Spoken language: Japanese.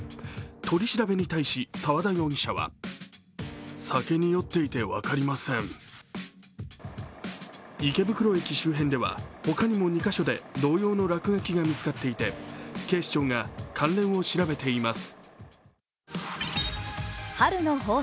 取り調べに対し沢田容疑者は池袋駅周辺では他にも２カ所で同様の落書きが見つかっていて警視庁が関連を調べています。